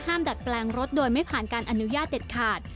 ดัดแปลงรถโดยไม่ผ่านการอนุญาตเด็ดขาด